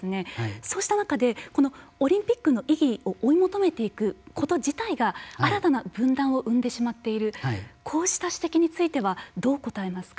そうした中でオリンピックの意義を追い求めていくこと自体が新たな分断を生んでしまっているこうした指摘についてはどうこたえますか。